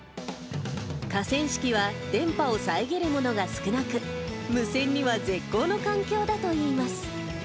河川敷は電波を遮るものが少なく、無線には絶好の環境だといいます。